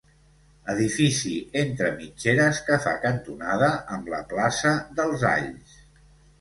Edifici entre mitgeres que fa cantonada amb la plaça dels Alls.